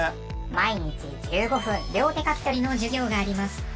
毎日１５分両手書き取りの授業があります。